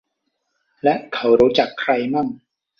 และเขารู้จักใครมั่ง